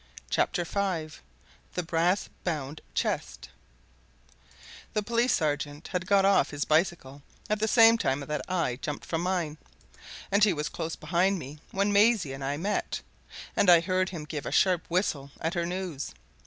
CHAPTER V THE BRASS BOUND CHEST The police sergeant had got off his bicycle at the same time that I jumped from mine, and he was close behind me when Maisie and I met, and I heard him give a sharp whistle at her news.